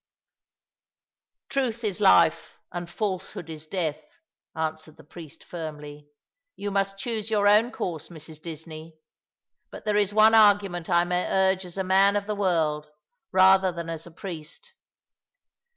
"Truth is life, and falsehood is death," answered the priest, firmly. "You must choose your own course, Mrs. Disney; but there is one argument I may urge as a man of the world rather than as a priest.